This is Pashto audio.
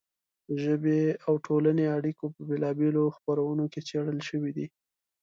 د ژبې او ټولنې اړیکې په بېلا بېلو خپرونو کې څېړل شوې دي.